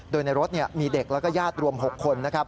โดยในรถมีเด็กแล้วก็ญาติรวม๖คน